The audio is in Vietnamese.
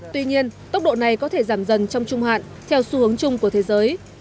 tuy nhiên tốc độ này có thể giảm dần trong trung hạn theo xu hướng chung của thế giới